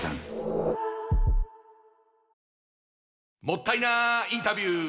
もったいなインタビュー！